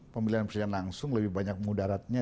pemilihan presiden langsung lebih banyak mudaratnya